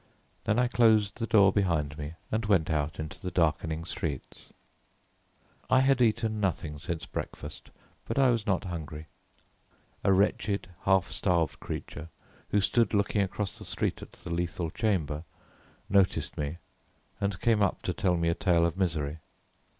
Then I closed the door behind me and went out into the darkening streets. I had eaten nothing since breakfast, but I was not hungry. A wretched, half starved creature, who stood looking across the street at the Lethal Chamber, noticed me and came up to tell me a tale of misery.